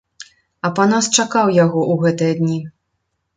Апанас чакаў яго ў гэтыя дні.